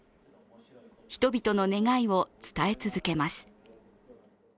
人々の願いを伝え続けます。